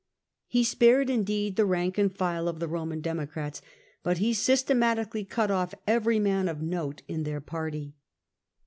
'^ He spared indeed the rank and file of the Roman Democrats, but he systematically cut Dff every man of note in their party.